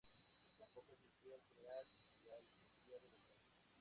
Tampoco asistió al funeral y al entierro del rey.